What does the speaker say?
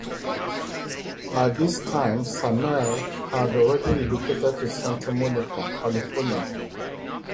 By this time Samir had already relocated to Santa Monica, California.